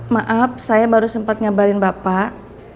maaf saya baru sempat nyabarin bapak